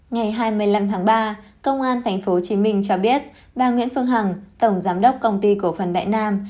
ngày hai mươi năm tháng ba công an tp hcm cho biết bà nguyễn phương hằng tổng giám đốc công ty cổ phần đại nam